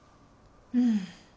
うん。